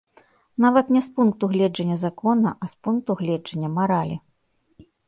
Нават не з пункту гледжання закона, а з пункту гледжання маралі.